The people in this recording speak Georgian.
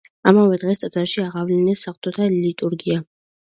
ამავე დღეს ტაძარში აღავლინეს საღვთო ლიტურგია.